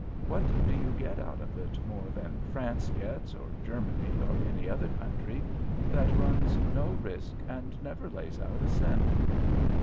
What do you get out of it, more than France gets, or Germany, or any other country, that runs no risk and never lays out a cent?"